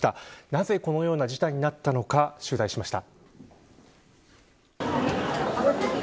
なぜこのような事態になったのか取材しました。